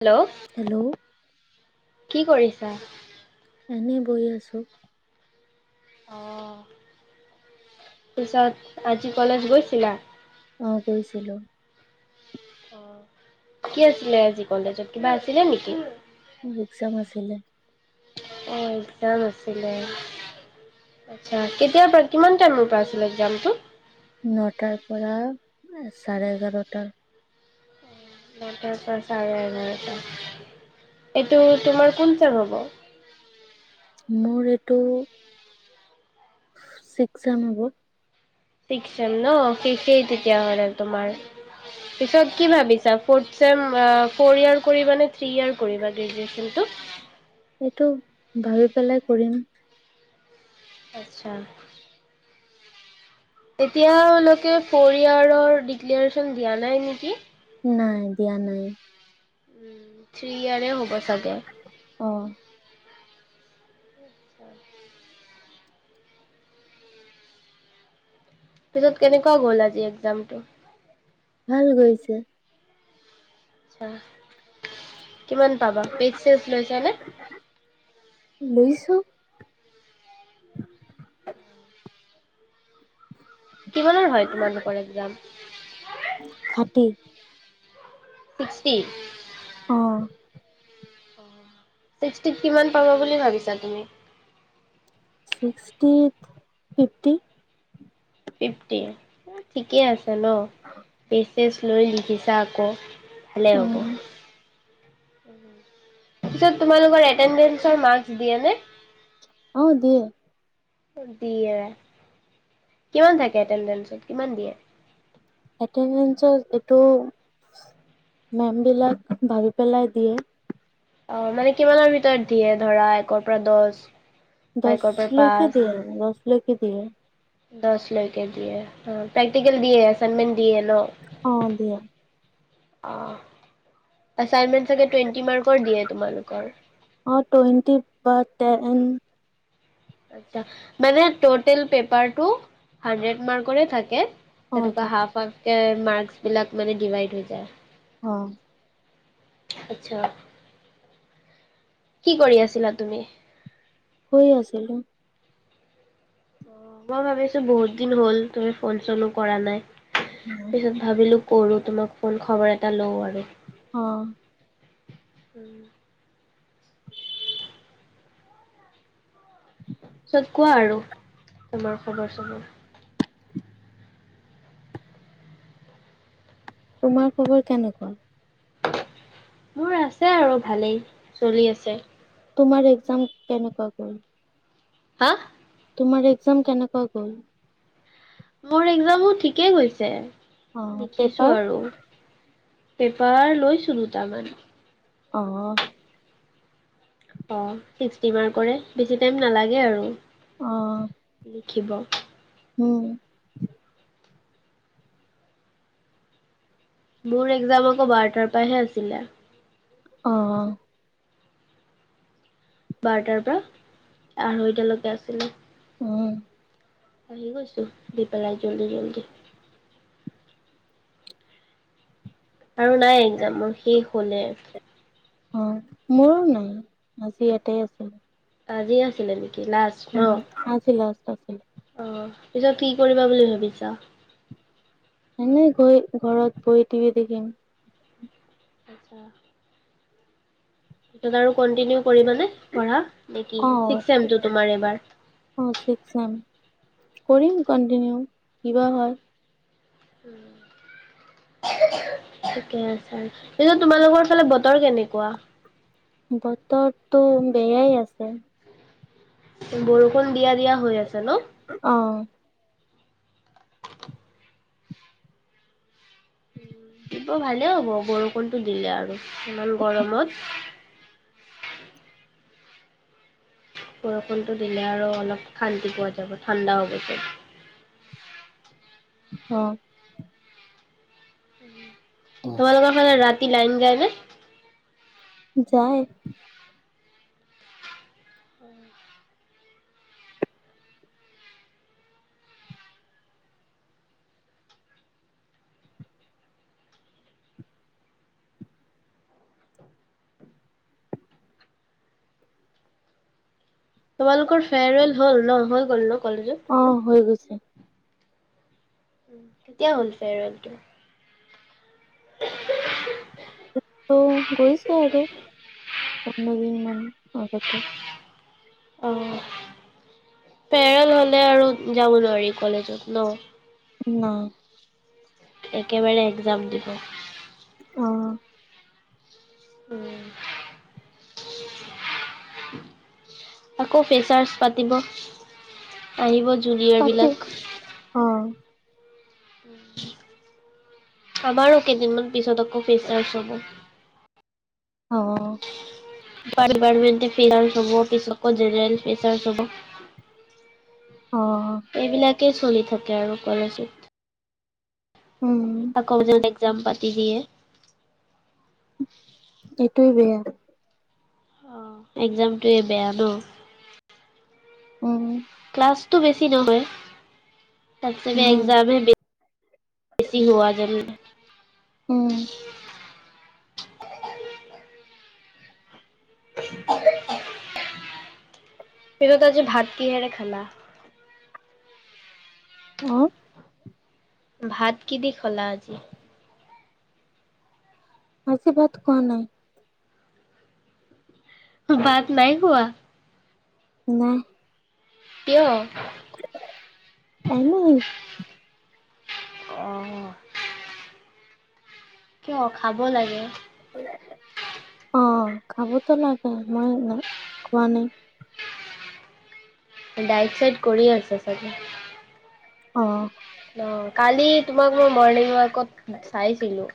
Hello কি কৰিছা? এনেই বৈ আছোঁ? আহ পিছত আজি কলেজ গৈছিলা? অ গৈছিলো? অ কি আছিলে আজি কলেজত কিবা আছিলে নেকি? মোৰ এক্সাম আছিলে? এক্সাম আছিল আছা কেতিয়াৰ কিমান টাইমৰ পৰা আছিলে এক্সামটো? নটাৰ পৰা চাৰে এঘাৰটাৰ। নটাৰ পৰা চাৰে এঘাৰটা এইটো তোমাৰ কোন চ হ'ব। মোৰ এইটো? ছিক্স ছেমবোৰ। ছিক্স ছেম ন ঠিকে তেতিয়া হলে তোমাৰ পিছত কি ভাবিছা ফৌৰ্থ ছেম অ ফৌৰ ই্য়াৰ কৰিবা নে থ্ৰী ইয়ৰ কৰিবা গ্ৰেজুৱেচনটো? সটো ভাবি পেলাই কৰিম? আচ্ছা। এতিয়ালৈকে পৰিয়ালৰ ডেক্লেচন দিয়া নাই নেকি? নাই দিয়া নাই। উম থ্ৰ্ৰী ইয়োৰে হ'ব চাগে। অ হয়। পিছত কেনেকুৱা গ'ল আজি এক্সামটো? ভাল গৈছে? চা। কিমান পাবা পেজ চেজ লৈছানে? লৈছো কিমানৰ হয় তোমালোকৰ এক্সাম। ষাঠি। ছিক্সটি? আহ। ছিক্সটিত কিমান পাবা বুলি ভাবিছা তুমি? ছিক্সটিত ফিফটি। ফিফটি ঠিকেই আছে? জানো বেছ। পেজ লৈ লিখিছা আকৌ ভাললে অ হ'ব উম [inaudible] তাৰপিছত তোমালোকৰ এটেডেঞ্চত মাৰ্ক্স দিয়ে নে? অ দিয়ে দিয়ে কিমান থাকে এটেডেঞ্চত কিমান দিয়ে? এটেডেঞ্চৰ এইটো মেমবিলাক ভাবি পেলাই দিয়ে অ মানে কিমানৰ ভিতৰত দিয়ে ধৰা একৰ পৰা দহ বা দহ একৰ পৰা লৈকে দিয়ে দহ লৈকে দিয়ে দহ লৈকে দিয়ে প্ৰেকটিকেল দিয়ে এচাইনমেণ্ট দিয়ে ন অ দিয়ে আহঁ এচাইনমেন্ট চাগে টুৱেন্টি মাৰ্কৰ দিয়ে তোমালোকৰ অ টুৱেণ্টি বা টেন আচ্ছা মানে টোটেল পেপাৰটো হানড্ৰেড মাৰ্কৰে থাকে অ তেনেকুৱা থাক হাফ হাফ কে মাৰ্কছ বিলাক মানে ডিভাইড হৈ যায় অঁ আচ্ছা কি কৰি আছিলা তুমি শুই আছিলো অ মই ভাবিছো বহুত দিন হল তুমি ফোন চনো কৰা নাই। পিছত ভাবিলো কৰো তোমাক ফোন খবৰ এটা লওঁ আৰু অঁ উম পিছত কোৱা আৰু তোমাৰ খবৰ চবৰ তোমাৰ খবৰ কেনেকুৱা? মোৰ আছে আৰু ভালেই চলি আছে। তোমাৰ এক্সাম কেনেকুৱা গ'ল? হা তোমাৰ এক্সাম কেনেকুৱা গ'ল। মোৰ এক্সামো ঠিকে গৈছে অ লিখিছো পেপাৰ আৰু পেপাৰ লৈছো দুটামান অঁ অ চিক্সটি মাৰ্কৰ হে বেছি টাইম নালাগে আৰু অ লিখিব উম মোৰ এক্সাম আকৌ বাৰটাৰ পৰা হে আছিলে। অঁ বাৰটাৰ পৰা আঢ়ৈটালৈকে আছিলে। উম আহি গৈছো। দি পেলাই জল্দি জল্দি আৰু নাই এক্সাম মোৰ শেষ হলে উম মোৰো নাই আজি ইয়াতে আছিলো আজি আছিলে নেকি ক্লাছ ন তাকেই অ পিছত কি কৰিবা বুলি ভাবিছা এনে গৈ ঘৰত বহি টিভি দেখিম আচ্ছা এইবাৰ আৰু কণ্টিনিউ কৰিব নে পঢ়া নেকি অ চিস্ক চিষ্টেম তোমাৰ এইবাৰ অ ছিক্স ছেম কৰিম কনটিনিউ কিবা হয় উম থিকে আছা এতিয়া তোমালোকৰ ফালে বতৰ কেনেকুৱা বতৰটো বেয়াই আছে বৰষুণ দিয়া দিয়া হৈ আছে ন অ দিব ভালে হ'ব বৰষুণটো দিলে আৰু ইমান গৰমত বৰষুণটো দিলে আৰু অলপ শান্তি পোৱা যাব ঠাণ্ডাও হৈ যাব । অ তোমালোকৰ হলে ৰাতি তি লাইন যায়নে যায় উম তোমালোকৰ ফেয়াৰৱেল হ'ল ন হৈ গ'ল ন কলেজত? অ হৈ গৈছে কেতিয়া হ'ল ফিয়াৰৰেল টো ় [inaudible] গৈছে আৰু পোন্ধ দিন মান আগতে অ পেৰেল হলে আৰু যাব নোৱাৰি কলেজত ন ন একেবাৰে এক্সাম দিব অ উম আকৌ ফেচাৰচ পাতিব আহিব তাতে জুৰিয়ৰবিলাক অ আমাৰো কেইদিনমান পিছত আকৌ ফেচ এছ হব অ তাত দিপাৰতমেন্তে ফেয়াৰচ হব পিছত আকৌ জেনেৰেল ফেচাচ্ছ অ হব এইবিলাক একে চলি থাকে আৰু কলেজত উম আকৌ যদি এজাম্প পাতি দিয়ে সেইটো বেয়া অ এক্জামটোৱে বেয়া ন উম ক্লাছটো বেছি নহয় চবচে নাই এক্জামটোৱে বেয়া ছি হোৱা যেন উম', [unintelligible] পিছত আজি ভাত কিহেৰে খালা? আহ', ভাত কি দি খলা আজি? আজি ভাত খোৱা নাই। বাত নাই খোৱা? নাই। কিয়? এনেই, অ, ' [unintelligible] কিয় খাব লাগে। অ', খাবতো লাগে, মই খোৱা নাই। ডাইট-চাইট কৰি আছে চাগে, অ', অ', কালি তোমাক মই মৰ্নিংত কত চাইছিলোঁ,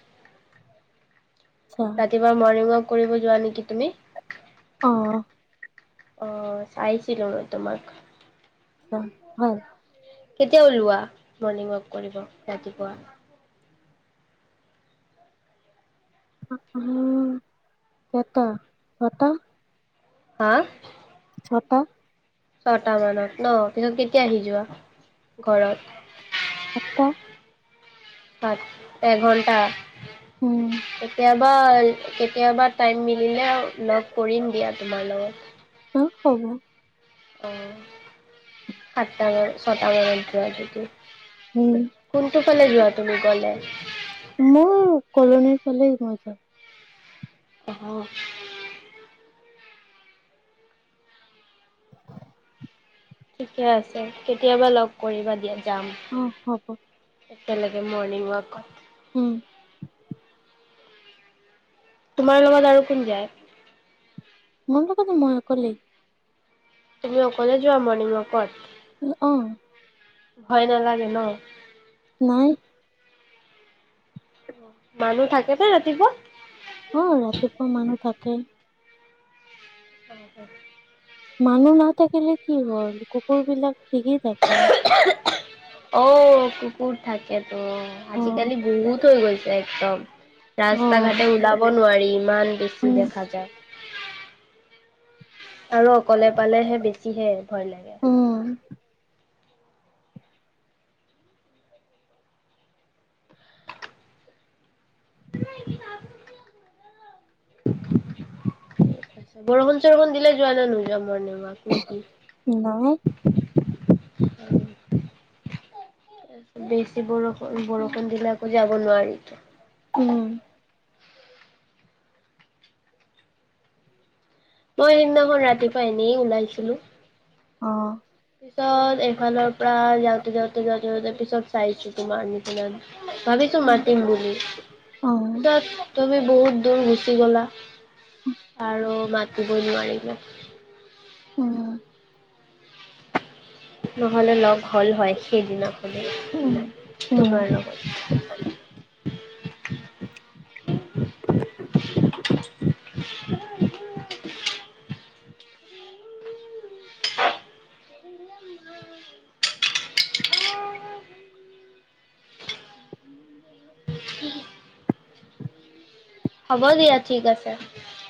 আচ্ছা ৰাতিপুৱা মৰ্ণিং ৱাক কৰিব যোৱা নেকি তুমি? অ আহ চাইছিলো ন', তোমাক অ', হয়', কেতিয়া ওলোৱা মৰ্ণিং ৱাক কৰিব ৰাতিপুৱা? উম', এটা ছটা, হা', ছটা। ছটা মানত ন', পিছত কেতিয়া আহি যোৱা ঘৰত? আঠটা, হয় এঘণ্টা, উম কেতিয়াবা, কিয়বা টাইম নিমি, লেও লগ কৰিম দিয়া, তোমাৰ অ লগত। হ'ব। [unintelligible] সাতটা মান, ছটা মানত, যোৱা যদি উম কোনটো ফালে যোৱা তুমি গলে? মোৰ কলনীৰ ফালেই যাওঁ। আহ', ঠিকে আছে, কেতিয়াবা লগ কৰিবা দিয়া যাম। অ', হ'ব। একেলগে মৰ্ণিং ৱাক, উম', তোমাৰ লগত আৰু কোন যায়? মই নো কও পাওঁ মই একলে তুমি অকলে যোৱা ৰ্মনিং ৱাকত? অ', ভয় নালাগে ন', নাই। মানুহ থাকে পা ৰাতিপুৱা। অ ৰাতিপুৱা মানুহ থাকে। [unintelligible] মানুহ নাথাকিলে কি হ'ল কুকুৰ বিলাক। টিকি থাকে। অ কুকুৰ থাকে। অ অ আজি কালি বহুত হৈ গৈছে একদম অ ৰাস্তা ঘাটে ওলাব নোৱাৰি ইমান বেছি উম দেখা যায়। আৰু অকলে পালেহে বেছিহে ভয় লাগে। উম বৰষুণ চৰষুণ দিলে যোৱা নে নোযোৱা মৰ্নিংত। ৱাৰ্ক নে কি। নাই হয় হয় [unintelligible] বেচ যদি বৰষুণ বৰষুণ দিলে আকৌ যাব নোৱাৰি। ত [unintelligible] উম মই সেইদিনাখন ৰাতিপুৱা আহিলোঁ । অনেই ওলাইছিলো। অঁ। পিছত এইফালৰ পৰা যাওঁতে যাওঁতে যাওঁতে যাওঁতে পিছত চাইছো তোমাৰ নে ভাবিছো মাতিম বুলি অ পিছত তুমি। বহুত দূৰ গুচি গ'লা আৰু মাতিব নোৱাৰো ওম। [inaudible] নহলে লগ হ'ল হয় । সেইদিনাখনে উম উম তোমাৰ লগত। [unintelligible] হু, হু। হ'ব দিয়া ঠিক আছে।